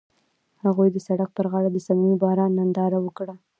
هغوی د سړک پر غاړه د صمیمي باران ننداره وکړه.